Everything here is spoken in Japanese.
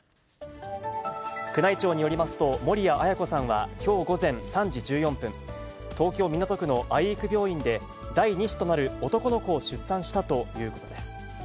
宮内庁によりますと、守谷絢子さんは、きょう午前３時１４分、東京・港区の愛育病院で、第２子となる男の子を出産したということです。